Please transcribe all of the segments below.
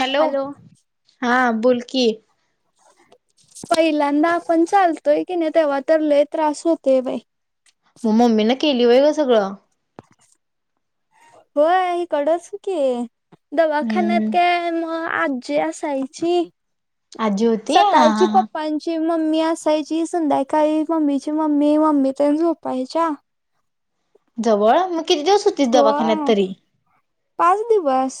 Hello हा बोल की पहिल्यांदा आपण चालतोय कीनी तेव्हा तर लय त्रास होतय बाई मग मम्मी न केली होय ग सगळं होय इकडच की दवाखान्यात हम्म काय म आजी असायची आजी होती हा हा सकाळची हा पप्पांची ची मम्मी असायची संध्याकाळी मम्मीची मम्मी मम्मी तेन झोपायच्या जवळ मग किती दिवस होतीस दवाखान्यात होय. तरी पाच दिवस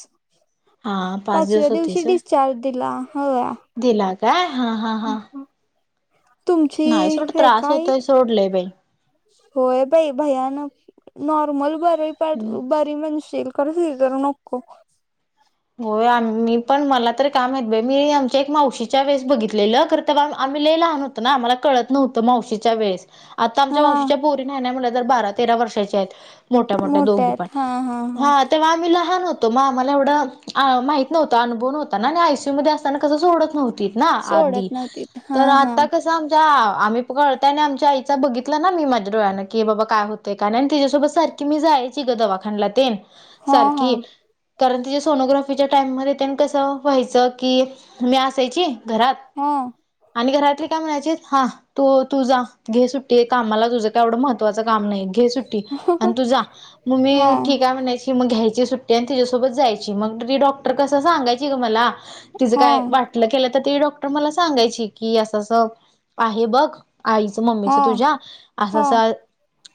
हा पाच पाचव्या दिवस दिवशी होतीस होय डिस्चार्ज दिला होय दिला काय हा हा हा तुमची नाही सोड रेखा त्रास आई होतोय सोडलय बाई होय बाई भयानक नॉर्मल बर हम्म म्हणशील खर सिजर नको होय आम्ही पण मला तरी काय माहित बई मी आमच्या एक मावशीच्या वेळेस बघितलेलं खर तवा आम्ही लई लहान होतो होतो ना मला कळत नव्हतं मावशीच्या वेळेस आता आमच्या हा मावशीच्या पोरी नाय नाय म्हटल्या तर बारा तेरा वर्षाच्या आहेत मोठ्या मोठ्या दोघी पण हा तेव्हा आम्ही लहान होतो म आम्हाला एवढं अ माहित नव्हत अनुभव नव्हता ना आणि आयसीयू मध्ये अस ताना कस सोडत नव्हतीत ना सोडत आदी नव्हती हा तर हा आता कस आमच्या आम्ही कळतय आणि आमच्या आईचा बघितला ना मी माझ्या डोळ्यानं की बाबा काय होत तिच्यासोबत सारखी मी जायची ग दवाखाण्याला तेन हा हा सारखी कारण तिच्यासोबत सोनोग्राफीच्या टाईममध्ये तेन कसं व्हायचं की मी असायची घरात हा आणि घरातली काय म्हणायचित हा तो तुझा घे सुट्टी कामाला तुझं काय एव्हड महत्वाचं काम नाही घे सुट्टी आणि तू जा मग हा मी ठीक आहे म्हणायची मग घ्यायची सुट्टी आणि तिच्यासोबत जायची मग ती डॉक्टर कस सांगायची ग मला तिज हा काय वाट गेल तर ते डॉक्टर मला सांगायची की असं असं आहे बघ आईच मम्मीच हा तुझ्या असं हा अस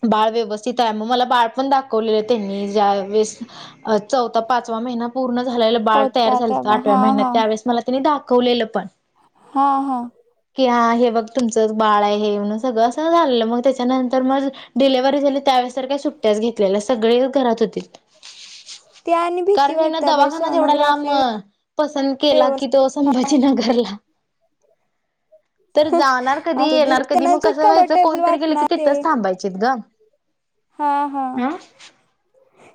बाळ व्यवस्थित आहे म मला बाळ पण दाखवलेलं त्यांनी ज्या वेळेस चौथा पाच आठवा महिना पूर्ण झालेलं बाळ तयार होता झालं तेव्हा आठव्या हा हा महिन्यात त्यावेळेस मला त्यानी दाखवलेलं पण हां हां की हा हे बघ तुमचं बाळ आहे हे म्हण सगळं असं झालेलं मग त्याच्यानंतर मग डिलेव्हरी झाली त्यावेळेस तर काय सुट्ट्याच घेतलेल्या सगळेजण घरात होतीत ते आणि भीती कारण हिन वाटते बाई दवाखानाच एवढा लांब सोनोग्राफी पसंद केला कि व्यवस्थित तो संभाजीनगरला तर जाणार कधी असू दे येणार कधी त्यांना मग जे कसं व्हायचं कम्फर्टेबल कोणतरी गेलं की वाटणार ते तिथंच थांबायचीत ग हा हा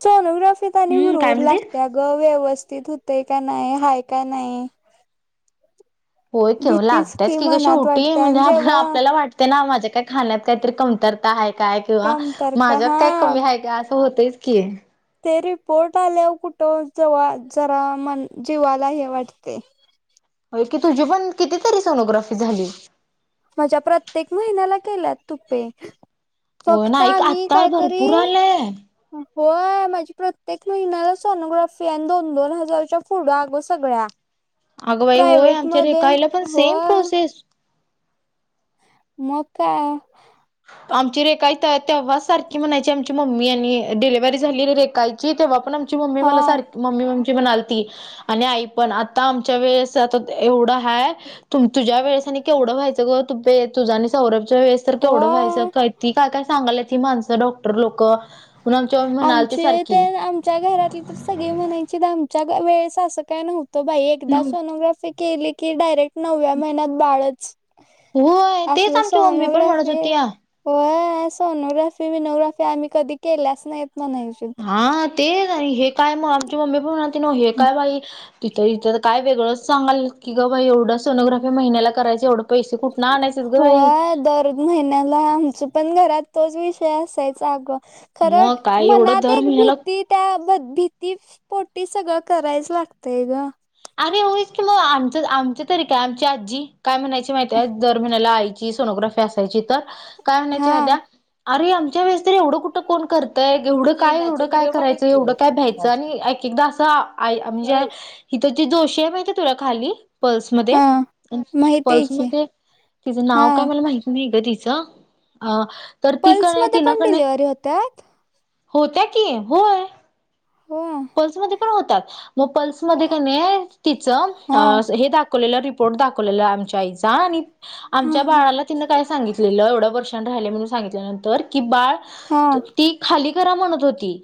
सोनोग्राफीत आणि हम्म काय हुरहूर म्हणली? लागत्यात बघ व्यवस्थित होतय काय नाही हाय का नाही होय जव भीतीच लागतयच की गं मनात शेवटी वाटते म्हणजे आणि आपण जेव्हा आपल्याला वाटते ना माझ्या काय खाण्यात काहीतरी कमतरता आहे काय किंवा कमतरता माझ्यात काय हा कमी आहे का असं होतच की ते रिपोर्ट आल्यावर कुठं जवळ जरा म जीवाला हे वाटतय होय की तुझी पण कितीतरी सोनोग्राफी झाली माझ्या प्रत्येक महिन्याला केल्यात तूपे होय ना फक्ता एक आम्ही आत्ता कायतरी भरपूर आलंय. होय माझी प्रत्येक महिन्याला सोनोग्राफी आणि दोन दोन हजारच्या पुढं अगो सगळ्या अगं बाई होय प्रायवट आमच्या मध्ये रेखाईला पण सेम होय प्रोसेस मग काय आमची रेखाई तेया तेव्हा सारखी म्हणायची आमची मम्मी आणि डिलेव्हरी झाली आहे रेखईची तेव्हा पण मम्मी हा मला सारख मम्मी म्हणालीती आणि आई पण आता आमच्या वेळेस आता एवढं हाय त तुझ्या वेळेस आणि केवढं व्हायचं ग तुपे तुझ्या आणि सौरभच्या वेळेस तेवढं व्हायचं होय काय ती काय काय सांगायला ती माणसं डॉक्टर लोक आमची मम्मी म्हणालती आमचे सारखी. तर आमच्या घरातली तर सगळे म्हणायचे आमच्या वेळेस असं काय नव्हतं बाई एकदा सोनोग्राफी केले की डायरेक्ट नवव्या महिन्यात बाळच, होय तेच असलं आमची मम्मी पण म्हणत सोनोग्राफी... होती या. होय सोनोग्राफी मनोग्राफी आम्ही कधी केल्यास नाहीत म्हणायचीत हा तेच आणि हे काय मग आमची मम्मी पण म्हणाली हे काय बाई तिथं इथं काय वेगळं सांगाल्यात की गं बाई एवढं सोनोग्राफी महिनला करायचं एवढं पैसे कुठून आणायचेच ग बाई, कधी महिन्याला आमच पण घरात तोच विषय असायचा अगं खरं मग काय एवढं मनात दर एक महिन्याला भीती त्या भीती पोटी सगळं करायच लागतय ग आणि होयच की मग आमचं आमच्या तरी काय आमची आजी काय म्हणायची माहिती आहे दर महिन्याला आई जी सोनोग्राफी असायची तर काय म्हणायची हा माहितीये आमच्या वळेस एव्हढं कोण कुठं करतंय तर एवढं काय एवढं काय करायचं एवढं काय भ्यायचं आणि एक एकदा असं म्हणजे हिथ ती जोशी आहे माहिती आहे तुला खाली पल्समध्ये हा माहित आहे की पल्समध्ये तिचं हा नाव काय मला माहिती नाही ग तिचं अ तर ती काण पल्स आहे मध्ये ति ना पण कण आहे डिलिव्हरी होतात होत्या की, होय! हो पल्समध्ये पण होतात मग पल्समध्ये तिच हा दा केलेला रिपोर्ट दाखवलेला आमच्या आईचा आणि हा आमच्या हा बाळाला तीन काय सांगितलेलं एवढ्या वर्षां राहिलंय म्हणून सांगितल्यानंतर की बाळ हा ती खाली करा म्हणत होती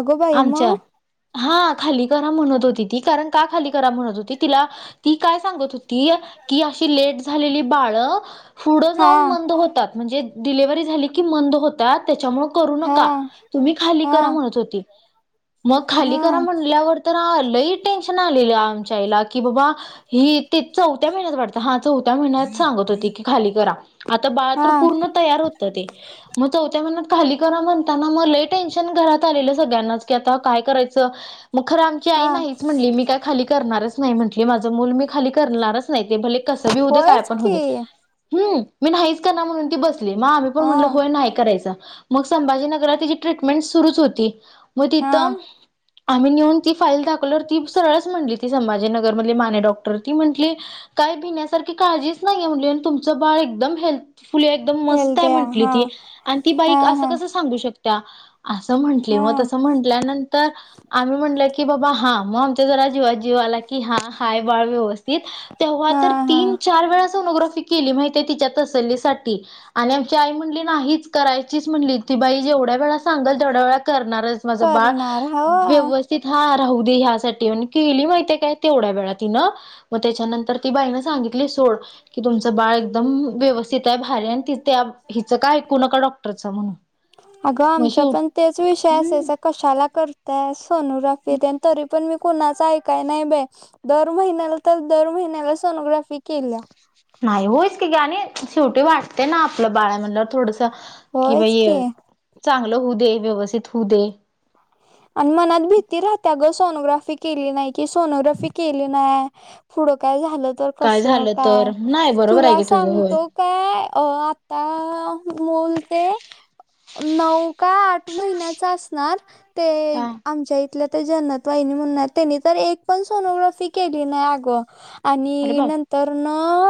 अगो बाई आमच्या मग हा खाली करा म्हणत होती ती कारण का खाली करा म्हणत ती तिला ती काय सांगत होती की अशी लेट झालेली बाळ पुढ हा जाऊन मंद होतात म्हणजे डिलिव्हरी झाली की मंद होतात त्याच्यामुळ करू हा नका तुम्ही खाली हा करा म्हणत होती मग खाली हा करा म्हणल्यावर तर लई टेन्शन आलेलं आमच्या आईला कि बाबा ही ते चौथ्या महिन्यात वाटत हा चौथ्या महिन्यात सांगत होती की खाली करा आता बाळ तर हा पूर्ण तयार होत ते मग चौथ्या महिन्यात खाली करा म्हणताना लय टेन्शन घरात आलेलं सगळ्यांनाच की, आता काय करायचं? मग खरं आमची हा आई नाहीच म्हणली, मी काय खाली करणारच नाही म्हटली. माझ मूल मी खाली करणारच नाही, ते भले कस बी होऊ दे? काय होयच पण होऊ की दे? हम् मी नाहीच करणार म्हणून ती बसली, मग आम्ही पण हा म्हणल होय नाही करायच. मग संभाजीनगरात तिची ट्रीटमेंट सुरुच होती म हा तिथं आम्ही नेऊन ती फाईल दाखवल्यावर ती सरळच म्हटली, ती संभाजीनगर मधली माने डॉक्टर ती म्हटली काय भिण्यासारखी काळजीच नाहीये, तुमचं बाळ एकदम हेल्थफुली आहे. एकदम मस्त हाय हेल्द्या म्हटली हा ती आणि ती बाई हा असं हा कस सांगू शकत्या आसं म्हंटली हा ओ ती म्हनटल्यानंतर आम्ही म्हटलं की, बाबा हा. मग आमचा जरा जीवात जीव आला की, हा हाय बाळ व्यवस्थित. तीत, तेव्हा हा तर हा तीन, चार वेळा सोनोग्राफी केली माहिती हाय तिच्या तसल्लीसाठी. आणि आमची आई म्हणली नाहीच करायचीच म्हणली, ती बाई जेवढ्या वेळा सांगल तेवढ्या वेळा करणार. माझ बाळ, करणार हवा. व्यव स्थित हा राहू दे ह्यासाठी आणि केली माहितीे काय तेवढ्या वेळा तिनं मग त्याच्यानंतर ती बाईन सांगितली सोड, की तुमचं बाळ एकदम व्यव स्थित हाय, भारी हाय आणि ती त्या हिच काय ऐकू नका डॉक्टरच म्हणून अगं मग आमच्या शेव पण तेच विषय असायचा, कशाला करताय सोनोग्राफी तेन? तरी पण मी कुणाच ऐकाय नाही बाई, दर महिन्याला तर दर महिन्याला सोनोग्राफी केल्या. नाही, होयच की ग आणि शेवटी वाटतंय ना आप आपलं बाळ हाय म्हणल्यावर थोडस कि होयच बाई की चांगलं होऊ दे, व्यवस्थित होऊ दे आणि मनात भीती राहत्या ग सोनोग्राफी केली नाही, की सोनोग्राफी केली नाही. पुढं काय झालं तर कस झालं काय? तर नाही बरोबर आहे तुला की तुझं होय सांगतो ते अ आता अ मूल ते नऊ का आठ महिन्याच असणार, ते हा आमच्या इथ इथल्या त्या जन्नत वहिनी म्हणून आहेत, त्यांनी तर एक पण सोनोग्राफी केली नाही आग! अरे आणि बाबा नंतर न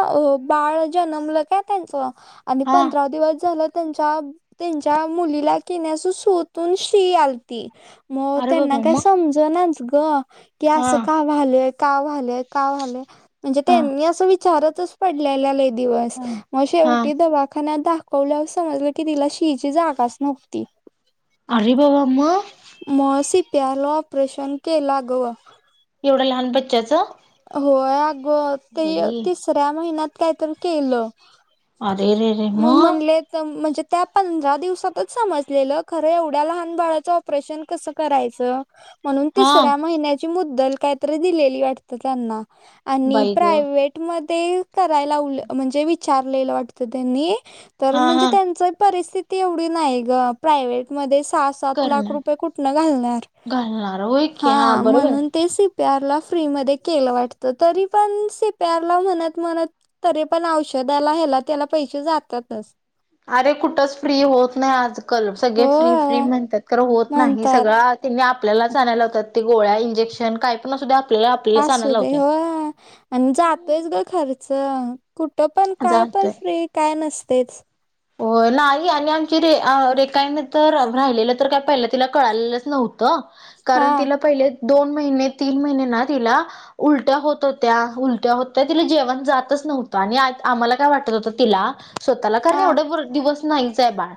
हे बाळ जन्मलं काय त्यांचं? आणि हा पंधरा दिवस झालं, त्यांच्या त्यांच्या मुलीला कि नाही शू तून शी याल ती, मग अरे त्यांना बाबा काय मग समजनाच ग! की हा अस काय का झालंय? का व्हालंय, का व्हालंय म्हणजे हा त्यांनी अस विचारतच पडलेल्या लई त्या दिवस, हा मग हा शेवटी दवाखान्यात दाखव खवल्यावर समजलं की, तिला शी ची जागाच नव्हती. आरे देवा! मग म सीपीआर ला ऑपरेशन केलं आगं. एवढ्या लहान बच्च्याचं? होय आगं, ते बाई तिसऱ्या महिन्यात कायतरी केलं. अरे रे रे म मग म्हणलेत तम म्हणजे त्या पंधरा दिवसातच समजलेलं, खरं एवढ्या लहान बाळाचं ऑपरेशन कसं करायचं म्हणून हा तिसऱ्या महिन्यात ची मुद्दल काय तरी दिलेली वाटतं त्यांना आणि बाई ग प्रायवेट मध्ये कराय लावलं म्हणजे विचारलेलं वाटत त्यांनी तर हा म्हणजे हा त्यांच परिस्थिती एवढी नाही ग, प्रायव्हेटमध्ये सहा, सात लाख करणार रुपय ते कुठनं घालणार? घालणार होय की हा बरोबर म्हणुन तेच त्याला फ्री मध्ये केलं वाटत, तरी पण सिप्यारला म्हणत म्हणत तरी पण औषदाला, ह्याला त्याला पैसे जातातच. आ रे कुठंच फ्री होत नाही आजकल, हो सगळे फ्री फ्री म्हणतात खरं, होत नाही म्हणतात सगळं. त्यांनी आपल्यालाच आणायला लावतात. ते गोळ्या, इंजेक्शन काय पण असुध्या, आपल्याला आपल्यालाच आणायला लवतात. अन जातोयच ग खर्च कुठं पण काय पण जातोय फ्री काय नसतेच. हो नाही आणि आमची रे रे काय तर राहिलेलं तर काय पहिला तिला कळालेलंच नव्हतं हा कारण तिला पहिले दोन महिने तीन महिने ना तिला उलट्या होत होत्या उलट्या होत्या तिला जेवण जातच नव्हतं आणि आम्हाला काय वाटत होतं तिला स्वतःला कारण हा एवढं दिवस नाहीच आहे बाळ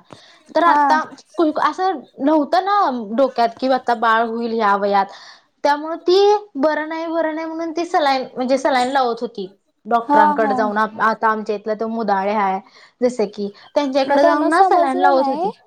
तर हा आत्ता असं नव्हतं ना डोक्यात कि आता बाळ हुईल ह्या वयात. त्यामुळे ती बरं नाही बरं नाही म्हणून ती सलाईन म्हणजे सलाईन लावत होती हा हा डॉक्टरांकडे जाऊन आप आप आमच्या इथलं तो मुदाळे आहे जस की मग त्यांच्याहिकडे जाऊन त्यांना ना सलाईन लावून समजलं लावत नाही होती.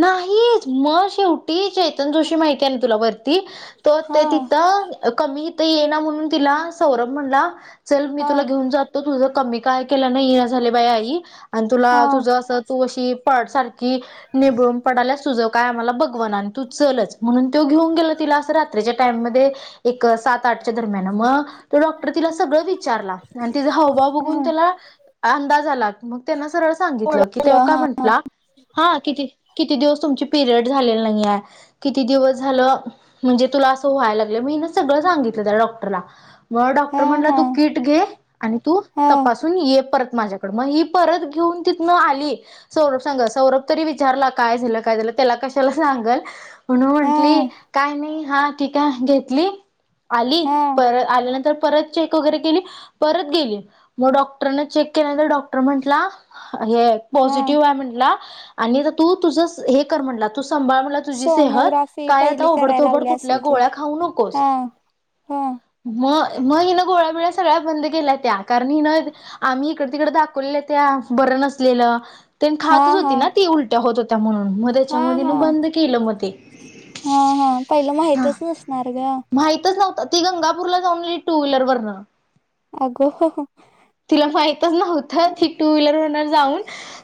नाहीच म शेवटी चैतन जोशी माहितीय आहे ना तुला वर ति तो अत्त हा तिथं कमी इथ ये ना म्हणून तिला सौरभ म्हणला चल मी हा तुला घेऊन जातो तुझं कमी काय केलं नाही जाल झाले बाई आई आणि तुला हा तुझं तू अशी पाट सारखी निबळून पडाला सुजव काय आम्हाला बगवान आणि तू चलच म्हणून तो घेऊन गेल तिला असं रात्रीच्या टाइम मध्ये एक सात आठच्या दरम्यान मग तो डॉक्टर तिला सगळं विचारला आणि तिचा हावभाव बघून हा त्याला अंदाज आला मग त्यांना सरळ सांगितलं की तेव्हा ओळखलं काय हा म्हटलं हा किती किती दिवस तुमची पिरियड झालेली नाहीय. किती दिवस झालं म्हणजे तुला असं व्हायला लागलं मीना सगळं सांगितलं त्या डॉक्टरला. मग डॉक्टर हा म्हणला हा तू किट घे आणि तू हा तपासून ये परत माझ्याकड मग ही परत घेऊन त आली सौरभ सांग सौरभ तरी विचारला काय झालं काय झालं त्याला कशाला सांगल. म्हणून हा म्हंटली काय नाही हा टीक य घेतली आली हा परत आल्यानंतर परत चेक वगैरे केली परत गेली मग डॉक्टर न चेक केल्यानंतर डॉक्टर म्हंटला हे हा पॉझिटिव्ह आहे म्हटला आणि तू तुझ हे कर म्हटला तुझं संभाळ. तुझी सेहत सोनोग्राफी काय आता पहिली करायला उबडतोबड लावली कुठल्या असेल की गोळ्या खाऊ नकोस. हा हा मग मग हिनं गोळ्याबिल्या सगळ्या बंद केल्या त्या कारण हिनं आम्ही इकडे तिकडे दाखवल्या त्यां बरं नसलेलं हा खातच हा होती ना ती उलट्या होत होत्या म्हणून हा त्याच्यामुळ हा तिनं बंद केलं म ते. हा हा पहिलं माहितच नसणार ग माहितच नव्हंत ती गंगापूर ला जाऊन आली टू व्हीलर वरन. अग [unintelligible] तिला माहितच नव्हतं ती टू व्हीलर वर्ण जाऊन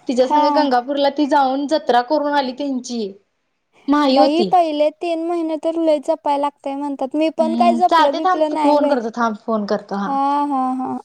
तिच्या हा संग गंगापूरला ती जाऊन जत्रा करून आली त्यांची. माही बाई होती. पहिले तीन महिने तर लय जप जाप्य लागतय म्हणतात मी पण काय हम्म जपलं चालते थांब बिपलं नाही फोन बाई करतो थांब फोन करतो हा. हा हां.